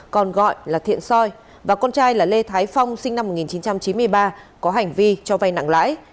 còn gọi là thiện soi và con trai là lê thái phong sinh năm một nghìn chín trăm chín mươi ba có hành vi cho vay nặng lãi